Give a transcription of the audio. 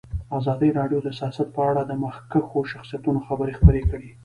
ازادي راډیو د سیاست په اړه د مخکښو شخصیتونو خبرې خپرې کړي.